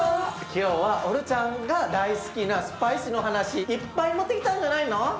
今日はオルちゃんが大好きなスパイスの話いっぱい持ってきたんじゃないの？